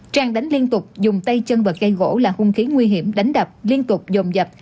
trang đánh liên tục dùng tay chân và gây gỗ là hung khí nguy hiểm đánh đập liên tục dồn dập